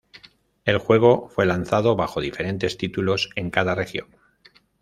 El juego fue lanzado bajo diferentes títulos en cada región.